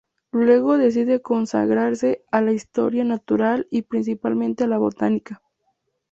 Luego decide consagrarse a la historia natural y principalmente a la botánica.